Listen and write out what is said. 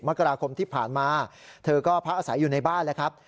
มกราคมที่ผ่านมาเธอก็พักอาศัยอยู่ในบ้านแล้วครับ